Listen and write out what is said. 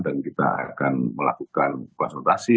dan kita akan melakukan konsultasi